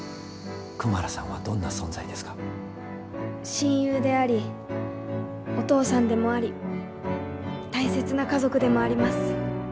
親友でありお父さんでもあり大切な家族でもあります。